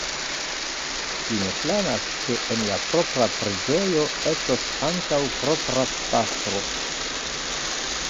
Li ne planas, ke en la propra preĝejo estos ankaŭ propra pastro.